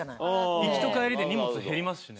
行きと帰りで荷物減りますしね。